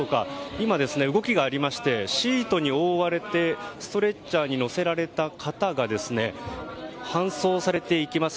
今、動きがありましてシートに覆われてストレッチャーに乗せられた方が搬送されていきます。